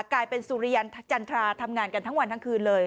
กายสุริยันจันทราทำงานกันทั้งวันทั้งคืนเลย